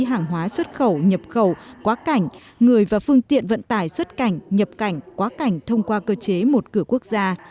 hàng hóa xuất khẩu nhập khẩu quá cảnh người và phương tiện vận tải xuất cảnh nhập cảnh quá cảnh thông qua cơ chế một cửa quốc gia